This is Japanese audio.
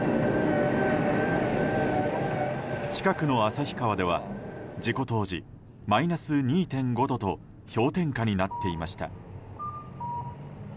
近くの旭川では事故当時、マイナス２．５度と氷点下になっていました。